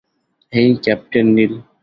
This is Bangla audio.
হেই, ক্যাপ্টেন নিল।